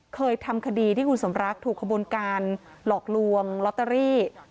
เคยทำคดีที่คุณสมรักถูกขบวนการหลอกลวงลอตเตอรี่